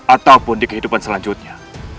ataupun di kehidupan selanjutnya